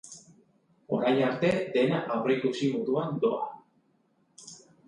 Orain arte dena aurreikusi moduan doa.